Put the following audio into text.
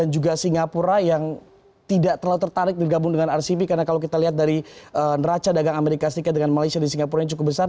juga singapura yang tidak terlalu tertarik bergabung dengan rcb karena kalau kita lihat dari neraca dagang amerika serikat dengan malaysia di singapura yang cukup besar